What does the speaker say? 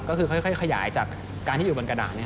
ก็คือค่อยขยายจากการที่อยู่บนกระดาษ